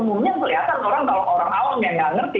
umumnya kelihatan orang kalau orang awam yang nggak ngerti